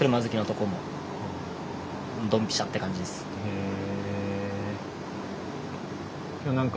へえ！